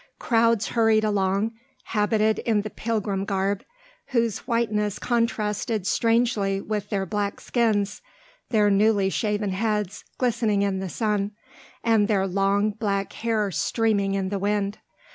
Crowds hurried along, habited in the pilgrim garb, whose whiteness contrasted strangely with their black skins, their newly shaven heads glistening in the sun, and their long black hair streaming in the wind.